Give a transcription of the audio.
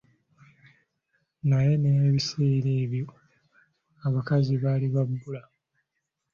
Naye n'ebiseera ebyo abakazi baali ba bbula.